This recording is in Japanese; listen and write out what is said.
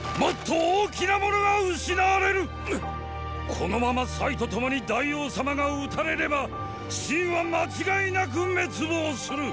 このままと共に大王様が討たれれば秦は間違いなく滅亡する！